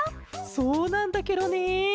そうなんだケロね。